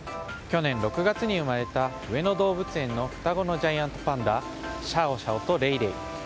去年６月に生まれた上野動物園の双子のジャイアントパンダシャオシャオとレイレイ。